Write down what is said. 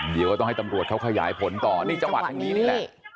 เดี๋ยวก็ต้องให้ตำรวจเขาขยายผลต่อนี่จังหวัดทางนี้นี่แหละ